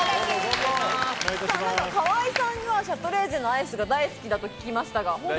河合さんはシャトレーゼのアイスが大好きだと聞きましたが。